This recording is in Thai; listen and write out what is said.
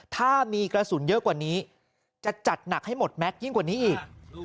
ถ้ามีกระสุนเยอะกว่านี้จะจัดหนักให้หมดแม็กซยิ่งกว่านี้อีก